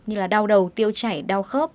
như đau đầu tiêu chảy đau khớp